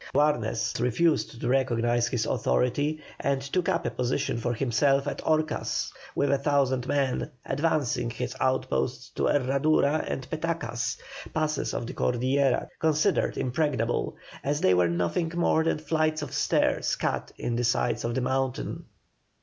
Warnes refused to recognise his authority, and took up a position for himself at Horcas with a thousand men, advancing his outposts to Herradura and Petacas, passes of the Cordillera considered impregnable, as they were nothing more than flights of stairs cut in the sides of the mountain.